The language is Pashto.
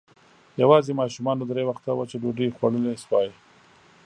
يواځې ماشومانو درې وخته وچه ډوډۍ خوړلی شوای.